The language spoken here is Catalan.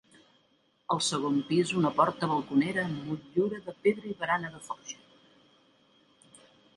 Al segon pis una porta balconera amb motllura de pedra i barana de forja.